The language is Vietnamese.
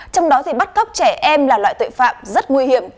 trong đó thì bắt cóc trẻ em là loại tội phạm rất nguy hiểm